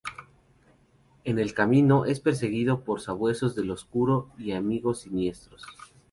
En el camino es perseguido por sabuesos del Oscuro y amigos siniestros.